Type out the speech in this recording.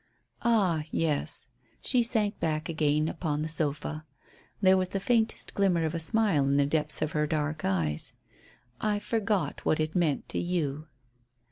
"Ah, yes." She sank back again upon the sofa. There was the faintest glimmer of a smile in the depths of her dark eyes. "I forgot what it meant to you."